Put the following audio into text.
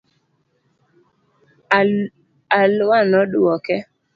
Alua nodwoke.